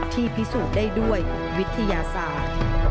พิสูจน์ได้ด้วยวิทยาศาสตร์